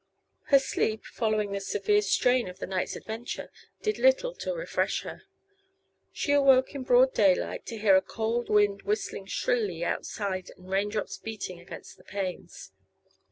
Her sleep, following the severe strain of the night's adventure, did little to refresh her. She awoke in broad daylight to hear a cold wind whistling shrilly outside and raindrops beating against the panes.